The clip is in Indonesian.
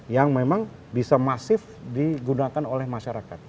yang memang bisa masif digunakan oleh masyarakat